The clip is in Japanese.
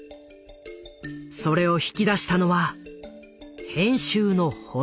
それを引き出したのは編集の堀江だった。